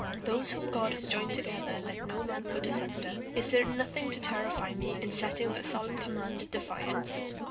Those whom God has joined together, let no man put asunder. Is there nothing to terrify me in setting that solemn command at defiance?